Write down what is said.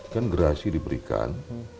kan gerasi diberikan